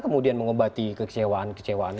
kemudian mengobati kekecewaan kekecewaan